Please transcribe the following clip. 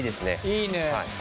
いいね。